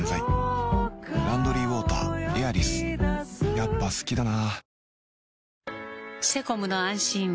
やっぱ好きだな